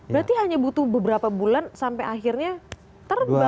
berarti hanya butuh beberapa bulan sampai akhirnya terbang